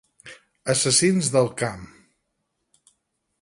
Assassins del camp.